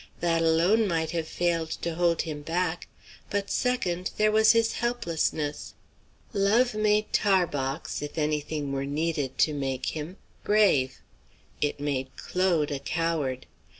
That alone might have failed to hold him back; but, second, there was his helplessness. Love made Tarbox, if any thing were needed to make him, brave; it made Claude a coward.